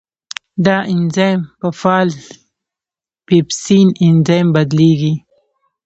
دا انزایم په فعال پیپسین انزایم بدلېږي.